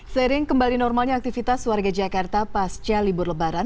sering kembali normalnya aktivitas warga jakarta pasca libur lebaran